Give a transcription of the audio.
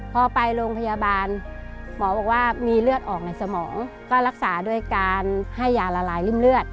พอไปโรงพยาบาลหมอบอกว่ามีเลือดออกในสมองก็รักษาด้วยการให้ยาละลายริ่มเลือด